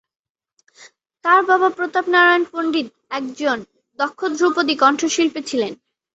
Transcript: তার বাবা প্রতাপ নারায়ণ পণ্ডিত একজন দক্ষ ধ্রুপদী কণ্ঠশিল্পী ছিলেন।